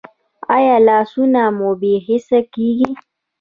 ایا لاسونه مو بې حسه کیږي؟